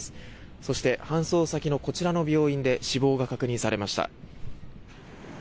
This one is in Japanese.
そして搬送先のこちらの病院で死亡が確認されました。